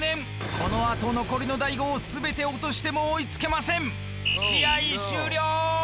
このあと残りの大悟をすべて落としても追いつけません。